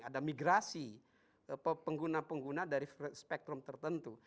ada migrasi pengguna pengguna dari spektrum tertentu